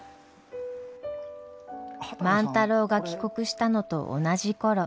万太郎が帰国したのと同じ頃。